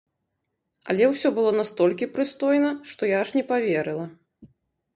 Але ўсё было настолькі прыстойна, што я аж не паверыла.